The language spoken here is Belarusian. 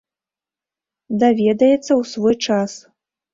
Даведаецца ў свой час.